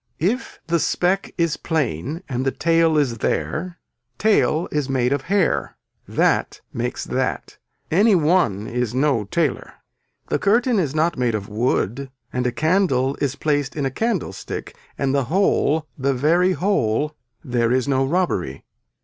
If the speck is plain and the tail is there tail is made of hair. That makes that. Any one is no tailor. The curtain is not made of wood and a candle is placed in a candlestick and the whole, the very whole, there is no robbery.